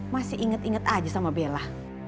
masih inget inget aja sama bella